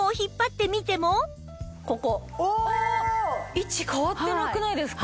位置変わってなくないですか？